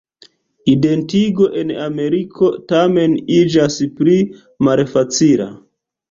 Identigo en Ameriko, tamen iĝas pli malfacila.